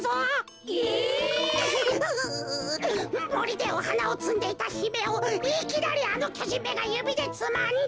もりでおはなをつんでいたひめをいきなりあのきょじんめがゆびでつまんで。